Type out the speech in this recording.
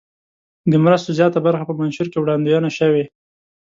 د مرستو زیاته برخه په منشور کې وړاندوینه شوې.